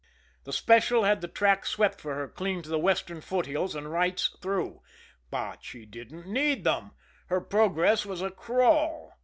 The special had the track swept for her clean to the Western foothills, and rights through. But she didn't need them. Her progress was a crawl.